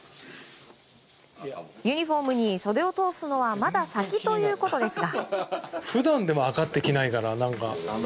ユニホームに袖を通すのはまだ先ということですが。